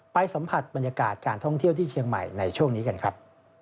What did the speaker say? สัมผัสบรรยากาศการท่องเที่ยวที่เชียงใหม่ในช่วงนี้กันครับ